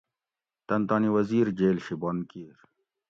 تن تانی وزیر جیل شی بند کِیر